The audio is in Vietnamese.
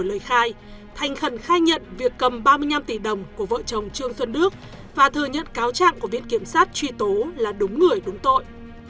lời khai thành khẩn khai nhận việc cầm ba mươi năm tỷ đồng của vợ chồng trương xuân đức và thừa nhận cáo trạng của viện kiểm sát truy tố là đúng người đúng tội